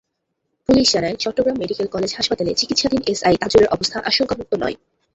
Police জানায়, Chittagong Medical College হাসপাতালে চিকিৎসাধীন এসআই তাজুলের অবস্থা আশঙ্কামুক্ত নয়।